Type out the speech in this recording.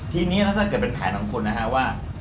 ทีนี้ถ้าเกิดเป็นแผนของคุณนะฮะว่า